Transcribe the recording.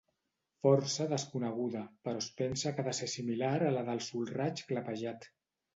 Força desconeguda, però es pensa que ha de ser similar a la del solraig clapejat.